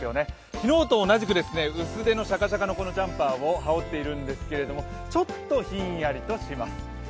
昨日と同じく薄手のシャカシャカのジャンパーを羽織ってるんですがちょっとひんやりとします。